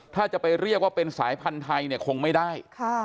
ถ้าจะไปเรียกว่าเป็นสายพันธุ์ไทยเนี่ยคงไม่ได้